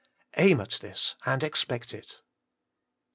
Aim at this and expect it.